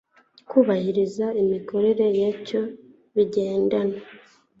kubahiriza imikorere yacyo bigendana